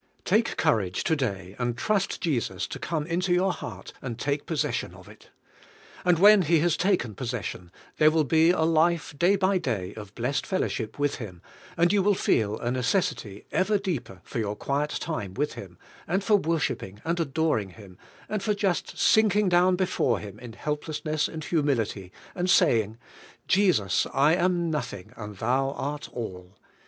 Take courage to day and trust Jesus to come into your heart and take possession of it. And when He has taken possession, there will be a life day by day of blessed fellowship with Him, and you will feel a necessity ever deeper for your quiet time with Him, and for worshiping and adoring Him, and for just sinking down before Him in helplessness and humility, and saying: "Jesus, I am nothing, and Thou art all."